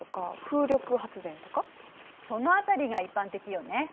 その辺りが一般的よね。